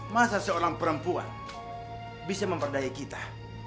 masa seorang perempuan bisa memperdaya kita